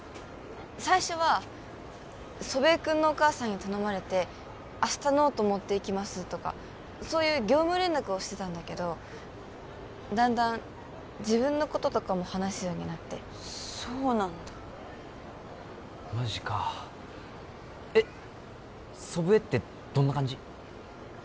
最初は祖父江君のお母さんに頼まれて明日ノート持っていきますとかそういう業務連絡をしてたんだけどだんだん自分のこととかも話すようになってそうなんだマジかえっ祖父江ってどんな感じ？